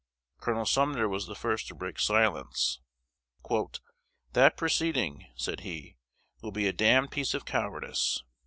Col. Sumner was the first to break silence. "That proceeding," said he, "will be a damned piece of cowardice."